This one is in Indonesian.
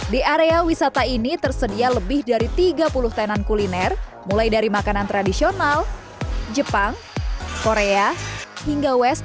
di area wisata ini tersedia lebih dari tiga puluh tenan kuliner mulai dari makanan tradisional jepang korea hingga west